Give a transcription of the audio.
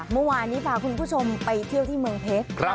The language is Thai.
เมื่อวานนี้พาคุณผู้ชมไปเที่ยวที่เมืองเพชร